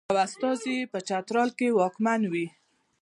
او استازی یې په چترال کې واکمن وي.